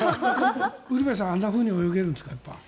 ウルヴェさんあんなふうに泳げるんですか？